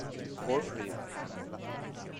Fall River